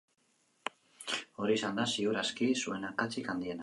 Hori izan da ziur aski zuen akatsik handiena.